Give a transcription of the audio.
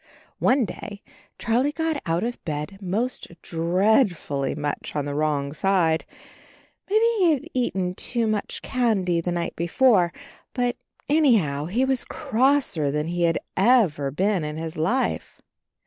One day Charlie got out of bed most dreadfully much on the wrong side — ^maybe he had eaten too much candy the night be fore, but anyhow he was crosser than he had ever been in his life.